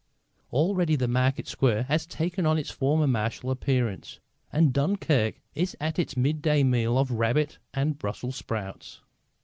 Already the market square has taken on its former martial appearance, and Dunkirk is at its midday meal of rabbit and Brussels sprouts.